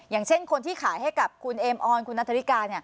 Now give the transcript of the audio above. อย่างเช่นคนที่ขายให้กับคุณเอมออนคุณนัทริกา